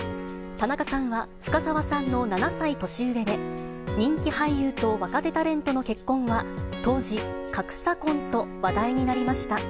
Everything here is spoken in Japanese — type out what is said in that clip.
田中さんは深沢さんの７歳年上で、人気俳優と若手タレントの結婚は、当時、格差婚と話題になりました。